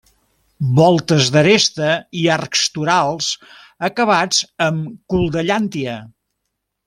Voltes d'aresta i arcs torals acabats amb cul-de-llàntia.